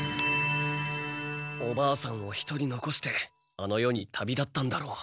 おばあさんを一人のこしてあの世に旅立ったんだろう。